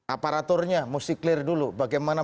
aparaturnya mesti clear dulu bagaimana